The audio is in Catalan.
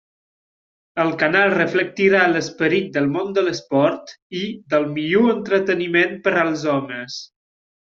El canal reflectirà l'esperit del món de l'esport i del millor entreteniment per als homes.